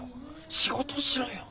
仕事しろよ！